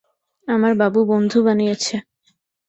আমার বাবু বন্ধু বানিয়েছে।